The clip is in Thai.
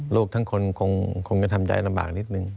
ลูกทั้งคนคงจะทำใจลำบากนิดนึง